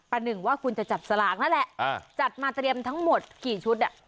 หนึ่งว่าคุณจะจับสลากนั่นแหละจัดมาเตรียมทั้งหมดกี่ชุด